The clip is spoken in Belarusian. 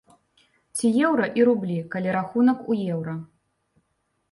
Ці еўра і рублі, калі рахунак у еўра.